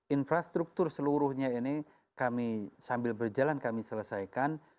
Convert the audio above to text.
infrastruktur seluruhnya ini kami sambil berjalan kami selesaikan